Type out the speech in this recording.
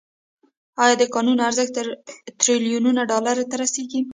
آیا د کانونو ارزښت تریلیونونو ډالرو ته رسیږي؟